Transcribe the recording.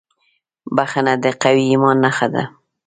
• بښنه د قوي ایمان نښه ده.